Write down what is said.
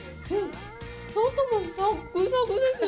外もサックサクです！